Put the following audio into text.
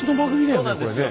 そうなんですよね。